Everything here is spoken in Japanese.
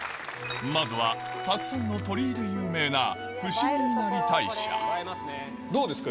まずはたくさんの鳥居で有名などうですか？